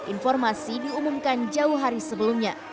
informasi diumumkan jauh hari sebelumnya